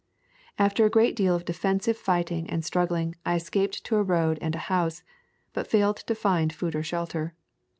After a great deal of defensive fighting and struggling I escaped to a road and a house, but failed to find food or shelter.